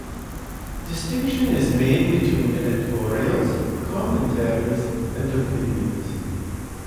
Distinction is made between editorials, commentaries, and opinions.